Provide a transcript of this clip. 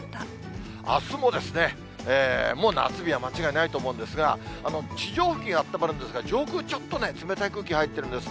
あすももう夏日は間違いないと思うんですが、地上付近はあったまるんですが、上空、ちょっとね、冷たい空気入っているんです。